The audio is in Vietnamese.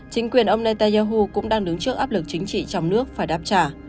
chính quyền ông netanyahu cũng đang đứng trước áp lực chính trị trong nước phải đáp trả